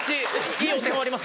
いいお手本あります。